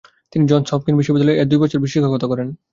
তিনি Johns Hopkins বিশ্ববিদ্যালয় এ দুই বছর শিক্ষকতা করেন।